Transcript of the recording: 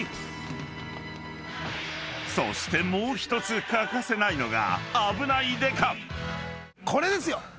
［そしてもう一つ欠かせないのが］